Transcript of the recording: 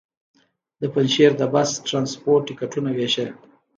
د پنجشېر د بس ټرانسپورټ ټکټونه وېشل.